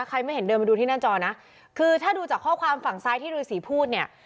ไม่เห็นเดินมาดูที่หน้าจอนะคือถ้าดูจากข้อความฝั่งซ้ายที่ฤษีพูดเนี่ย